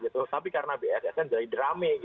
tapi karena bssn jadi drame